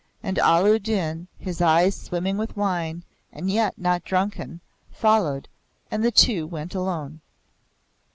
And Allah u Din, his eyes swimming with wine, and yet not drunken, followed, and the two went alone.